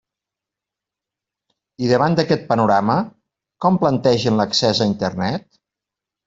I davant d'aquest panorama, ¿com plantegen l'accés a Internet?